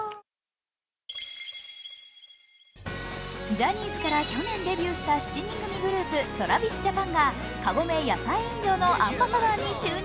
ジャニーズから去年デビューした７人組グループＴｒａｖｉｓＪａｐａｎがカゴメ野菜飲料のアンバサダーに就任。